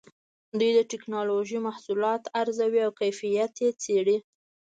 دوی د ټېکنالوجۍ محصولات ارزوي او کیفیت یې څېړي.